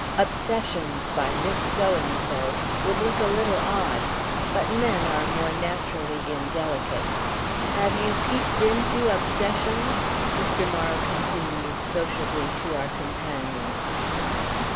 'Obsessions, by Miss So and so,' would look a little odd, but men are more naturally indelicate. Have you peeped into 'Obsessions'?" Mr. Morrow continued sociably to our companion.